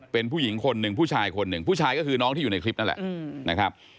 เป็นผู้หญิงคนหนึ่งผู้ชายคนหนึ่งผู้ชายก็คือน้องที่อยู่ในคลิปนั่นแหละนะครับ